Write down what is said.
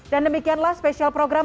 dan demikianlah spesial program